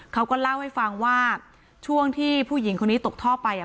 เขาก็เล่าให้ฟังว่าช่วงที่ผู้หญิงคนนี้ตกท่อไปอ่ะ